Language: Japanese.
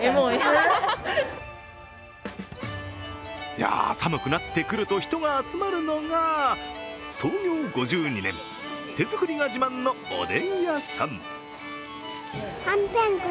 いや、寒くなってくると人が集まるのが創業５２年、手作りが自慢のおでん屋さん。